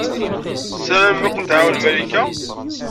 Tessaramem ad ken-tɛawen Malika.